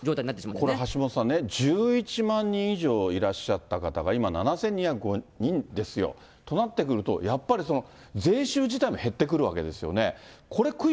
これ橋下さんね、１１万人以上いらっしゃった方が、人ですよ。となってくると、やっぱり税収自体も減ってくるわけですよね。